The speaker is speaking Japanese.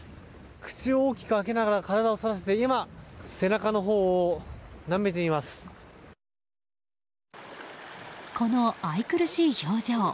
口を大きく開けながら体をそらせてこの愛くるしい表情。